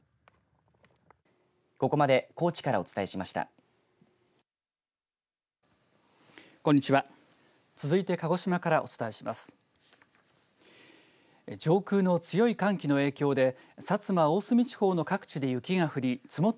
ここまで高知からお伝えしました。